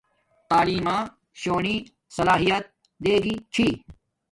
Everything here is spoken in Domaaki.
تعیلم با شونی سلاحیت دے گی چھی